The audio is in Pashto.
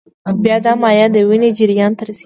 بیا دا مایع د وینې جریان ته رسېږي.